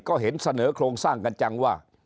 ก็เห็นเสนอโครงสร้างกันจังว่า